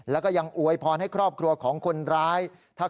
แล้วก็ยังอวยพรให้ครอบครัวของคนร้าย